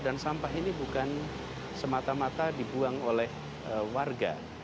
dan sampah ini bukan semata mata dibuang oleh warga